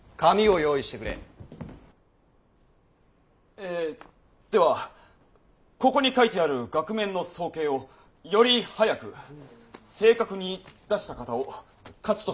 えではここに書いてある額面の総計をより早く正確に出した方を勝ちとします。